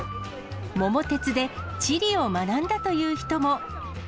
桃鉄で地理を学んだという人も。